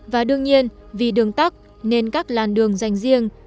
và đương nhiên vì đường tắt nên các làn đường dành riêng